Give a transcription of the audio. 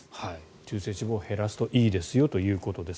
中性脂肪を減らすといいですよということです。